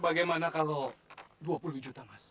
bagaimana kalau dua puluh juta mas